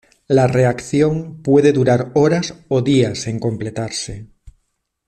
La reacción puede durar horas o días en completarse.